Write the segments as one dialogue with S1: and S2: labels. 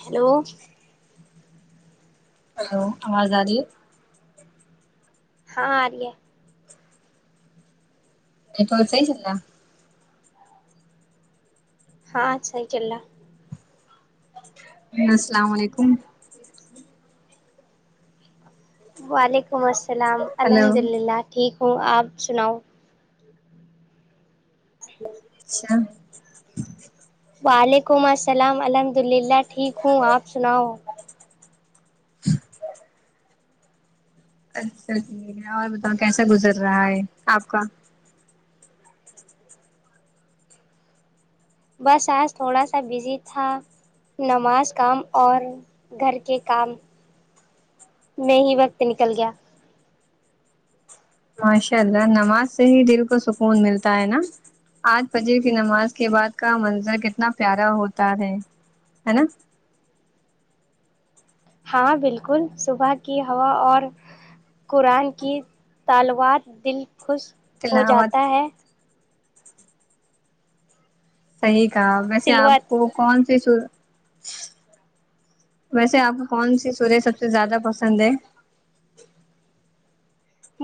S1: hello
S2: hello آواز آ رہی ہے
S1: ہاں آ رہی ہے
S2: نیٹ ورک صحیح چل را
S1: ہاں اچھا ہی چلرا
S2: ہیلو السلام علیکم
S1: وعلیکم السلام
S2: ہلو
S1: الحمد للہ ٹھیک ہوں آپ سناؤ
S2: اچھا
S1: وعلیکم السلام الحمد اللہ ٹھیک ہوں آپ سناؤ
S2: اچھا ٹھیک ہے اور بتاؤ کیسا گزر رہا ہے آپ کا
S1: بس آج تھوڑا سا بزی تھا نماز کام اور گھر کے کام میں ہی وقت نکل گیا
S2: ماشاء اللہ نماز سے ہی دل کو سکون ملتا ہے نا آج فجر کی نماز کے بعد کا منظر کتنا پیارا ہوتا ہے ہے نا
S1: ہاں بالکل صبح کی ہوا اور قرآن کی تلاوت دل خوش ہو
S2: تلاوت
S1: جاتا ہے
S2: صحیح کہ ویسے آپ
S1: تلوت
S2: کو کونسے ویسے آپ کو کون سی سوریں سب سے زیادہ پسند ہے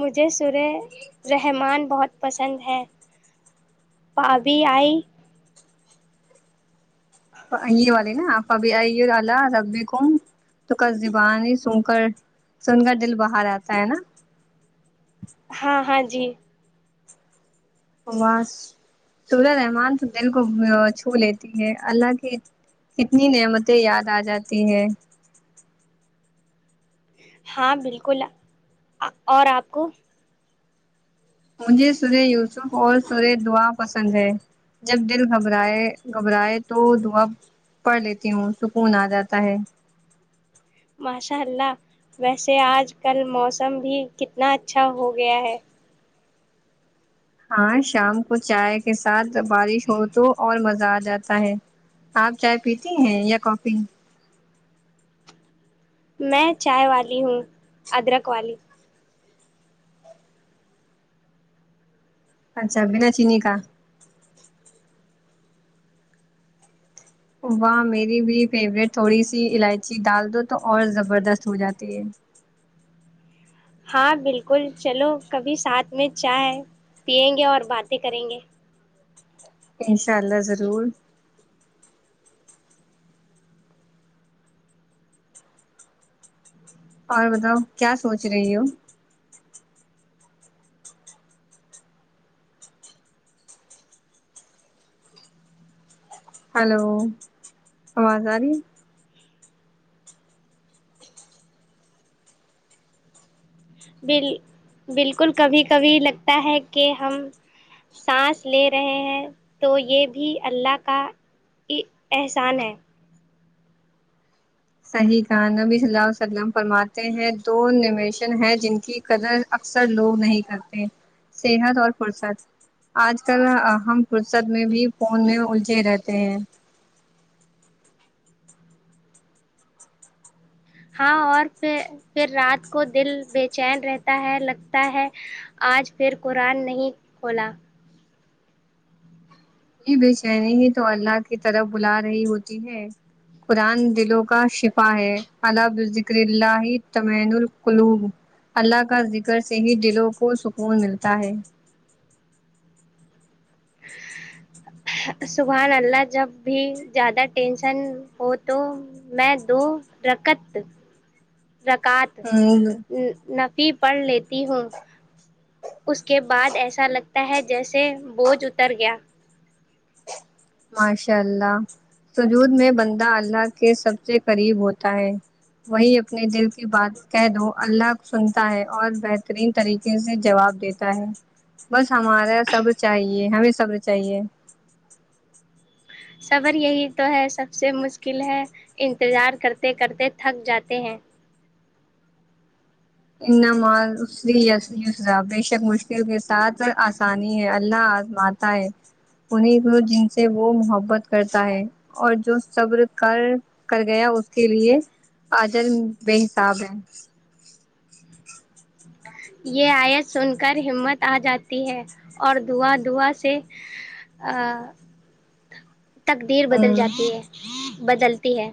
S1: مجھے سرہ رحمان بہت پسند ہیں بھابھی آئی
S2: یہ والی فبأي آلاء ربكما تكذبان یہ سن کر سن کا دل بھار آتا ہے نا
S1: ہاں ہاں جی
S2: باس سره رحمان تو دل کو چھو لیتی ہے اللہ کی کتنی نعمتیں یاد آ جاتی ہے
S1: ہاں بالکل اور آپ کو
S2: مجھے سورہ یوسف اور سورۂ دعا پسند ہے جب دل گھبرائے گھبرائے تو دعا پڑھ لیتی ہوں سکون آ جاتا ہے
S1: ماشاء اللہ ویسے آج کل موسم بھی کتنا اچھا ہو گیا ہے
S2: ہاں شام کو چائے کے ساتھ بارش ہو تو اور مزہ آ جاتا ہے آپ چائے پیتی ہیں یا کافی
S1: میں چائے والی ہوں ادرک والی
S2: اچھا بنا چینی کا واہ میری بھی فیوریٹ تھوڑی سی الائچی ڈال دو تو اور زبردست ہو جاتی ہے
S1: ہاں بالکل چلو کبھی ساتھ میں چائے پیئیں گے اور باتیں کریں گے
S2: انشاء اللہ ضرور اور بتاؤ کیا سوچ رہی ہو ہلو آواز آ رہی
S1: بل بالکل کبھی کبھی لگتا ہے کہ ہم سانس لے رہے ہیں تو یہ بھی اللہ کا احسان ہے
S2: صحیح کہ نبی صلی اللہ علیہ وسلم فرماتے ہیں دو نشن ہیں جن کی قدر اکثر لوگ نہیں کرتے صحت اور فرصت آج کل ہم فرصت میں بھی فون میں الجے رہتے ہیں
S1: ہاں اور پھر پھر رات کو دل بے چین رہتا ہے لگتا ہے آج پھر قرآن نہیں کھولا
S2: یہ بے چینی ہی تو اللہ کی طرف بلا رہی ہوتی ہے قرآن دلوں کا شفا ہے علہ ب ذکر اللہ تمین القلوم اللہ کا ذکر سے ہی دلوں کو سکون ملتا ہے
S1: سبحان اللہ جب بھی زیادہ ٹینشن ہو تو میں دو رکت رکعات
S2: ہے
S1: نفی پڑھ لیتی ہوں اس کے بعد ایسا لگتا ہے جیسے بوجھ اتر گیا
S2: ماشاء اللہ سجود میں بندہ اللہ کے سب سے قریب ہوتا ہے وہی اپنے دل کی بات کہہ دو اللہ کو سنتا ہے اور بہترین طریقے سے جواب دیتا تاہے بس ہمارا سب چاہیے ہمیں صبر چاہیے
S1: صر یہی تو ہے سب سے مشکل ہے انتظار کرتے کرتے تھک جاتے ہیں
S2: ان مع العسر یسرا بے شک مشکل کے ساتھ اسانی ہے اللہ ازماتا ہے تا ہے انیں جن سے وہ محبت کرتا ہے اور جو سبر کار کر گیا اس کے لیے آجر بے حساب ہے
S1: یہ آیت سن کر ہمت آ جاتی ہے اور دعا دعا سے تقدیر بدل
S2: ہوں
S1: جاتی ہے بدلتی ہے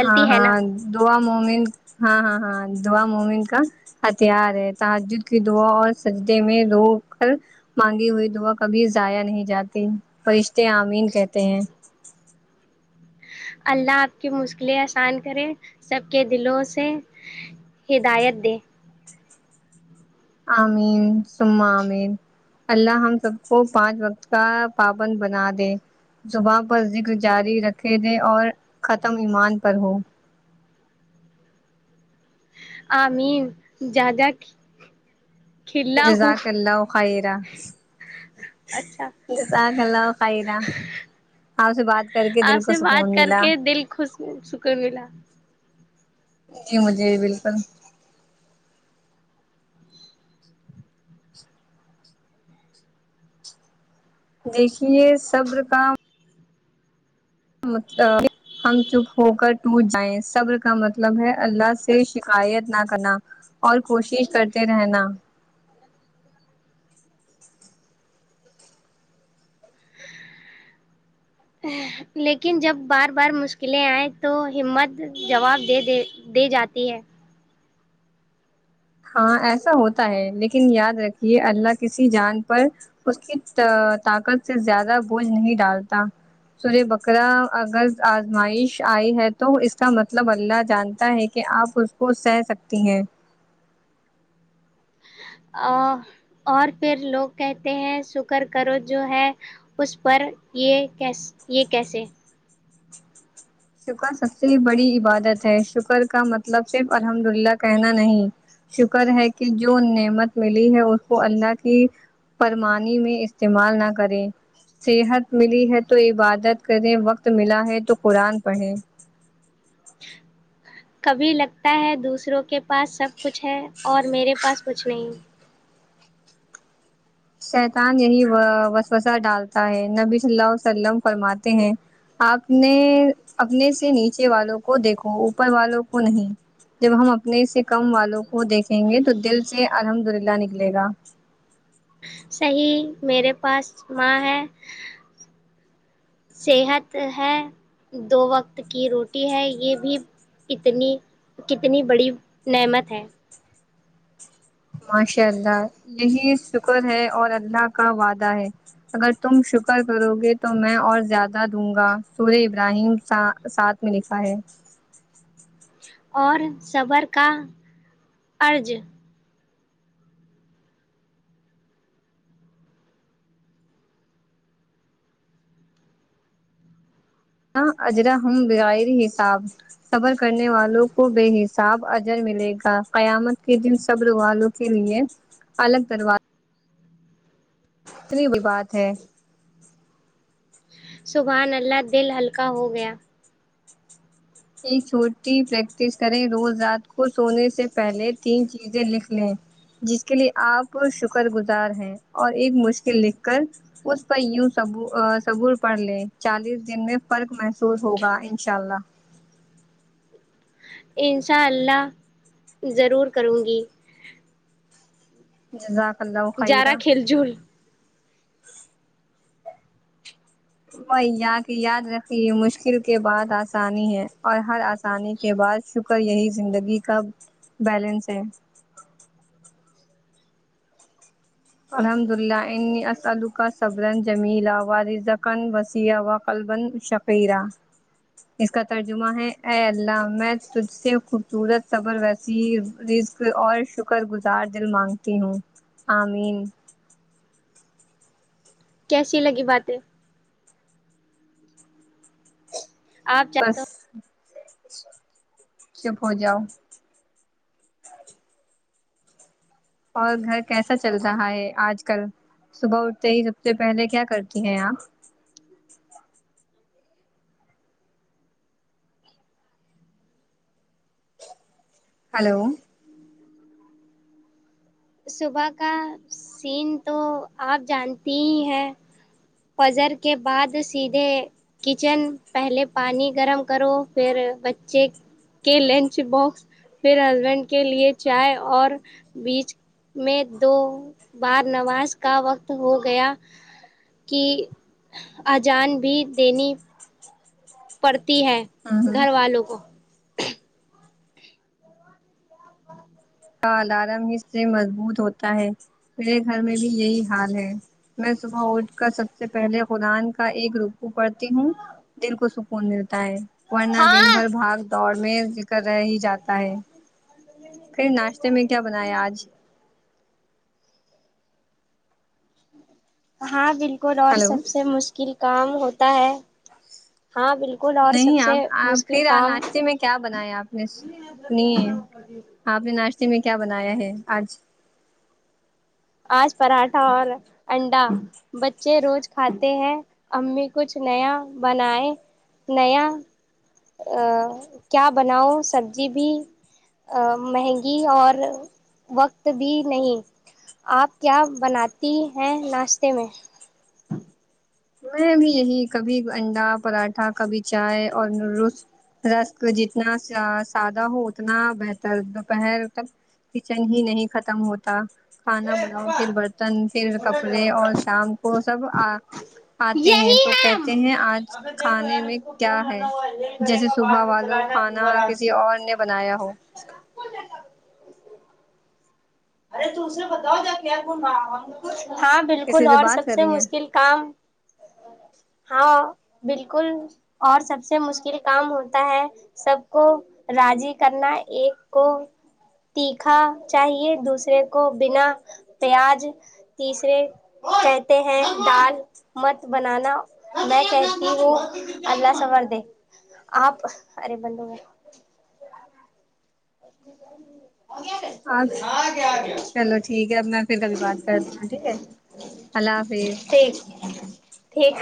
S2: ہاں
S1: ہے
S2: ہاں
S1: نا
S2: دعا مومن ہاں ہاں ہاں دعا مومن کا ہتھیار ہے تہاجد کی دعا اور سجدے میں رو کر مانگی ہوئی دعا کبھی ضائع نہیں جاتی فرشتے آمین کہتے ہیں
S1: اللہ آپ کی مشکلیں آسان کرے سب کے دلوں سے یہ ہدائت دے
S2: امین سم امین اللہ ہم سب کو پانچ وقت کا پابند بنا دے زباں پر ذکر جاری رکھے دے اور ختم ایمان پر ہو
S1: آمین جا جا کی
S2: جزاک اللہ ھوخیرہ
S1: اچھا
S2: اللہ خیرہ آپ سے بات کر کے
S1: آپ
S2: دل کو
S1: سے بات
S2: سکون
S1: کر
S2: ملا
S1: کے دل خوش سکون ملا
S2: جی مجھے بالکل دیکھیے صبر کام مطلب [unintelligible] ہم چپ ہو کر ٹوٹ جائیں صبر کا مطلب ہے اللہ سے شکایت نہ کرنا اور کوشش کرتے رہنا
S1: لیکن جب بار بار مشکلیں آئے تو ہمت جواب دے دے دے جاتی ہے
S2: ہاں ایسا ہوتا ہے لیکن یاد رکھیے اللہ کسی جان پر اس کی طا طاقت سے زیادہ بوجھ نہیں ڈالتا سورہ بقرہ اگر آزمائش آئی ہے تو اس کا مطلب اللہ جانتا ہے کہ کہ آپ اس کو سہہ سکتی ہیں
S1: ا اور پھر لوگ کہتے ہیں شکر کرو جو ہے اس پر یہ کیس یہ کیسے
S2: شکر سب سے بڑی عبادت ہے شکر کا مطلب صرف الحمد للہ کہنا نہیں شکر ہے کہ جو نعمت ملی ہے اس کو اللہ کی پرمانی میں استعمال نہ کریں صحت ملی ہے تو عبادت کریں وقت ملا ہے تو قرآن پڑھیں
S1: کبھی لگتا ہے دوسروں کے پاس سب کچھ ہے اور میرے پاس کچھ نہیں
S2: شیطان یہی و وسوس ڈالتا ہے نبی صلی اللہ علیہ وسلم فرماتے ہیں آپ نے ے اپنے سے نیچے والوں کو دیکھو اوپر والوں کو نہیں جب ہم اپنے سے کم والوں کو دیکھیں گے تو دل سے الحمد للہ نکلے گا
S1: صحیح میرے پاس ماں ہے صحت ہے دو وقت کی روٹی ہے یہ بھی اتنی کتنی بڑی نعمت ہے
S2: ماشاء اللہ یہی شکر ہے اور اللہ کا وعدہ ہے اگر تم شکر کرو گے تو میں اور زیادہ دوں گا سورہ ابراہیم ساتھ میں لکھا ہے
S1: اور صبر کا اجر
S2: اجرا [unintelligible] حساب صبر کرنے والوں کو بے حساب اجر ملے گا قیامت کے دن صبر والوں کے لیے الگ دروار اتنی ہی بات ہے
S1: سبحان اللہ دل ہلکا ہو گیا
S2: ایک چھوٹی پریکٹس کریں روز رات کو سونے سے پہلے تین چیزیں لکھ لیں جس کے لیے آپ شکر گزار ہیں اور ایک مشکل لکھ کر اس پر یو صبور پڑھ لیں چالیس دن میں فرق محسوس ہوگا انشاء اللہ
S1: ان شاء اللہ ضرور کروں گی
S2: جزاک اللہ خیرہ
S1: [unintelligible]
S2: وہی یاد رکھیے مشکل کے بعد آسانی ہے اور ہر آسانی کے بعد شک پر یہی زندگی کا بیلنس ہے الحمد للہ انی اسلالو کا سبرن جمیلہ و رضکن وسیع و قلب ش [unintelligible] اس کا ترجمہ ہے اے اللہ میں تجھ سے خوبصورت صبر وسیع رزق اور شکر گزار دل مانگتی ہوں آمین
S1: کیسی لگی باتیں آپ
S2: بس
S1: چاہتے
S2: چپ ہو جاؤ اور گھر کیسا چل رہا ہے آج کل صبح اٹھتے ہی سب سے پہلے کیا کرتی ہیں آپ ہلو
S1: صبح کا سین تو آپ جانتی ہی ہیں فجر کے بعد سیدھے کچن پہلے پانی گرم کرو پھر بچے کے لنچ باکس پھر ہسبینڈ کے لیے چائے اور بیچ میں دو بار نواز کا وقت ہو گیا کی اجان بھی دینی پڑتی ہے
S2: ہ ہ
S1: گھر والوں کو
S2: کا الارم ہی سے مضبوط ہوتا ہے میرے گھر میں بھی یہی حال ہے میں صبح اٹھ کر سب سے پہلے قرآن کا ایک رکوع پڑتی ہوں دل کو سکون ملتا ہے ورنہ دن
S1: ہاں
S2: بھر بھگ دوڑنے کر رہ ہی جاتا ہے پھر
S1: کوئی
S2: ناشتے
S1: بات
S2: میں
S1: نہیں
S2: کیا
S1: سام میں
S2: بنایا
S1: آتی
S2: آج
S1: ہے ہاں بالکل اور
S2: ہلو
S1: سب سے مشل کیل کام ہوتا ہے ہاں بالکل اور سب
S2: نہیں اپ
S1: سے
S2: آپ
S1: مشکل
S2: پھر ا
S1: کام
S2: ناشتے میں کیا بنایا آپ نے سنیے آپ نے ناشتے میں کیا بنایا ہے آج
S1: آج پراٹھا اور انڈا بچے روز کھاتے ہیں امی کچھ نیا بنائے نیا ا کیا بناؤ سبزی بھی مہنگی اور وقت بھی نہیں آپ کیا بناتی ہیں ناشتے میں
S2: میں بھی یہی کبھی انڈا پراٹھا کبھی چائے اور نوڈولس رسک جتنا سا سادہ ہو اتنا بہتر دوپہر تک کچن ہی نہیں ختم ہوتا کھانا بناؤ پھر برتن پھر کپڑے اور شام کو سب آتے ہیں
S1: یہی
S2: تو
S1: ہم
S2: کہتے ہیں آج
S1: ابھی دیکھ لو
S2: کھانے
S1: یار
S2: میں
S1: اس کو
S2: کیا
S1: فون
S2: ہے
S1: کرنا ہوا یہ کرے
S2: جیسے
S1: گا بعد
S2: صبح
S1: میں
S2: والو
S1: چلانا تم
S2: کھانا
S1: آرام
S2: کسی
S1: سے
S2: اور نے بنایا ہو
S1: [unintelligible] ارے تو اس سے بتاؤ جا کے یار کیا ہاں بالکل
S2: کسی
S1: اور
S2: بات
S1: سب
S2: کر
S1: سے
S2: رہی ہیں
S1: مشکل کام ہاں بالکل اور سب سے مشکل کام ہوتا ہے سب کو راضی کرنا ایک کو تیکھا چاہیے دوسر دوسرے کو بنا پیاز تیسرے کہتے ہیں دال مت بنانا میں کہتی ہوں اللہ صبر دے آپ ارے بندو گ گیا
S2: آج
S1: ہاں کیا آ گیا
S2: چلو ٹھیک ہے اب میں پھر کبھی بات کرتی ہوں ٹھیک ہے اللہ حافظ
S1: ٹیسٹی ہے ٹھیک